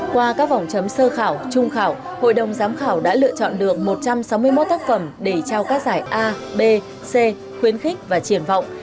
qua các vòng chấm sơ khảo trung khảo hội đồng giám khảo đã lựa chọn được một trăm sáu mươi một tác phẩm để trao các giải a b c khuyến khích và triển vọng